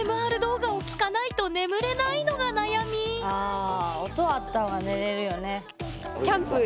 あ音あった方が寝れるよね。